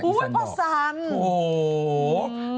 พูดภาษาอังกฤษ